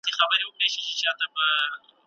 هغه د قوم سرښندونکی و